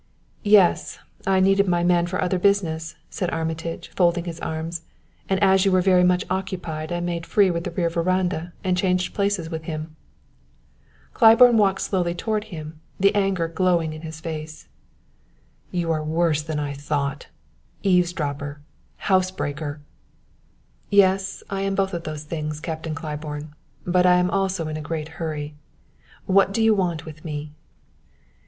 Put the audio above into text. "Yes; I needed my man for other business," said Armitage, folding his arms, "and as you were very much occupied I made free with the rear veranda and changed places with him." Claiborne walked slowly toward him, the anger glowing in his face. "You are worse than I thought eavesdropper, housebreaker!" "Yes; I am both those things, Captain Claiborne. But I am also in a great hurry. What do you want with me?"